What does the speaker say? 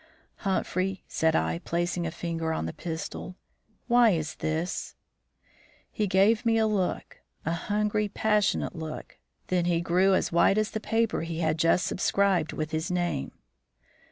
"Humphrey," said I, placing a finger on the pistol, "why is this?" He gave me a look, a hungry, passionate look, then he grew as white as the paper he had just subscribed with his name.